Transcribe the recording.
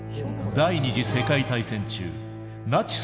第２次世界大戦中ナチス